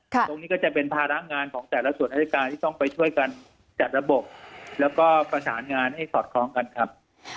ตรงนี้ก็จะเป็นภาระงานของแต่ละส่วนอายการที่ต้องไปช่วยกันจัดระบบแล้วก็ประสานงานให้สอดคล้องกันครับ